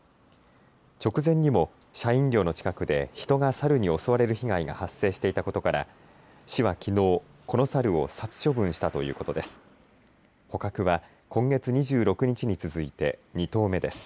直前にも社員寮の近くで人がサルに襲われる被害が発生していたことから市はきのう、このサルを殺処分したということです。